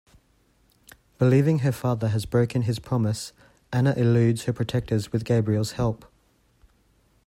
Believing her father has broken his promise, Anna eludes her protectors with Gabrielle's help.